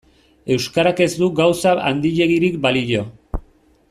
Euskarak ez du gauza handiegirik balio.